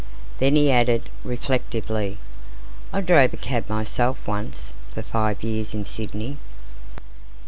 Then he added, reflectively: "I drove a cab myself, once, for five years in Sydney."